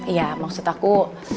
iya maksud aku